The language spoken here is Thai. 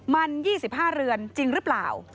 มัน๒๕เรือนจริงหรือเปล่า